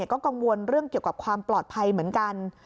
ก็กังวลเรื่องเกี่ยวกับความปลอดภัยเหมือนกัน